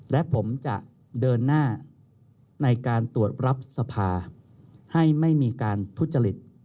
และผมจะเดินหน้าในการตรวจรับสภาให้ไม่มีการทุจริต